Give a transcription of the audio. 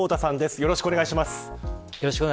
よろしくお願いします。